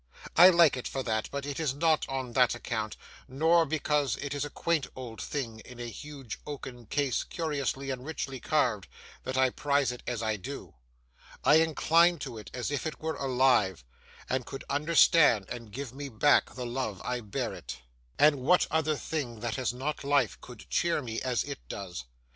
I like it for that; but it is not on that account, nor because it is a quaint old thing in a huge oaken case curiously and richly carved, that I prize it as I do. I incline to it as if it were alive, and could understand and give me back the love I bear it. And what other thing that has not life could cheer me as it does?